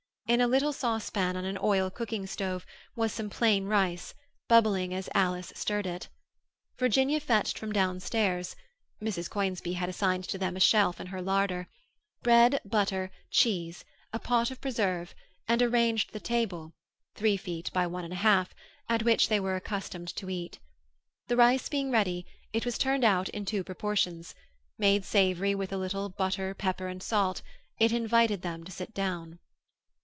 In a little saucepan on an oil cooking stove was some plain rice, bubbling as Alice stirred it. Virginia fetched from downstairs (Mrs. Conisbee had assigned to them a shelf in her larder) bread, butter, cheese, a pot of preserve, and arranged the table (three feet by one and a half) at which they were accustomed to eat. The rice being ready, it was turned out in two proportions; made savoury with a little butter, pepper, and salt, it invited them to sit down.